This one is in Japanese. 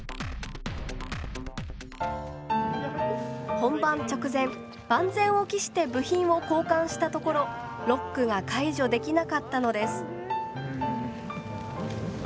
本番直前万全を期して部品を交換したところロックが解除できなかったのです。